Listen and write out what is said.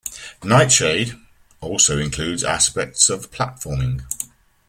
"Nightshade" also includes aspects of platforming.